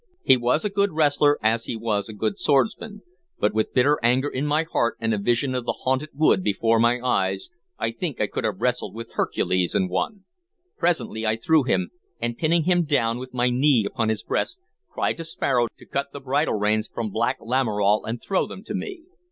He was a good wrestler as he was a good swordsman, but, with bitter anger in my heart and a vision of the haunted wood before my eyes, I think I could have wrestled with Hercules and won. Presently I threw him, and, pinning him down with my knee upon his breast, cried to Sparrow to cut the bridle reins from Black Lamoral and throw them to me.